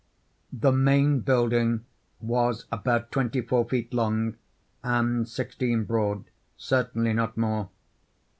The main building was about twenty four feet long and sixteen broad—certainly not more.